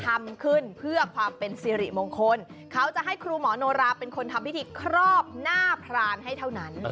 ทำขึ้นเพื่อความเป็นสิริมงคลเขาจะให้ครูหมอโนราเป็นคนทำพิธีครอบหน้าพรานให้เท่านั้น